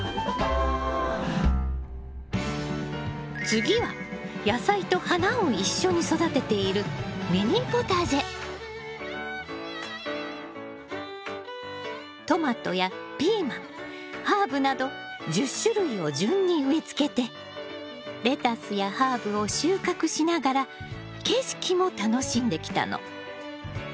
次は野菜と花を一緒に育てているトマトやピーマンハーブなど１０種類を順に植えつけてレタスやハーブを収穫しながら景色も楽しんできたの。